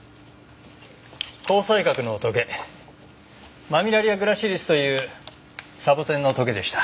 紅彩閣のトゲマミラリアグラシリスというサボテンのトゲでした。